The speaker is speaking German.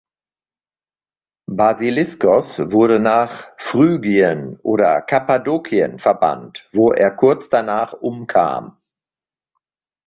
Basiliskos wurde nach Phrygien oder Kappadokien verbannt, wo er kurz danach umkam.